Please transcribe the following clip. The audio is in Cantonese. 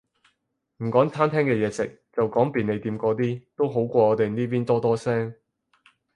唔講餐廳嘅嘢食，就講便利店嗰啲，都好過我哋呢邊多多聲